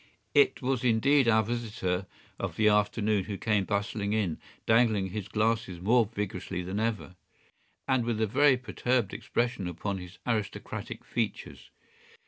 ” It was indeed our visitor of the morning who came bustling in, dangling his glasses more vigorously than ever, and with a very perturbed expression upon his aristocratic features.